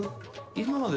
今まで「で」